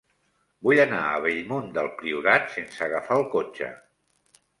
Vull anar a Bellmunt del Priorat sense agafar el cotxe.